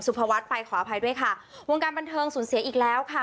ภวัฒน์ไปขออภัยด้วยค่ะวงการบันเทิงสูญเสียอีกแล้วค่ะ